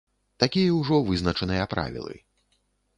Такія ўжо вызначаныя правілы.